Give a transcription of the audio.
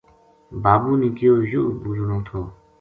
بابو نے کہیو یوہ بوجنو تھو